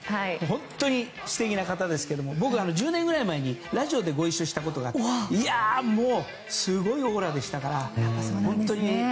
本当に素敵な方ですけども僕、１０年ぐらい前にラジオでご一緒したことがあってすごいオーラでしたから。